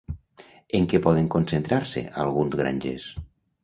En què poden concentrar-se alguns grangers?